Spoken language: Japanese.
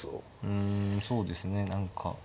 うんそうですね何か。